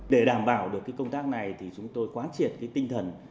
để đảm bảo được công tác này thì chúng tôi quán triệt cái tinh thần